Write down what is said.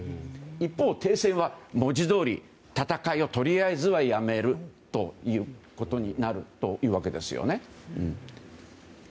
一方、停戦は文字どおり戦いをとりあえずはやめるということになるわけですよね。